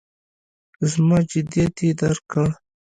زما جدیت یې درک کړ.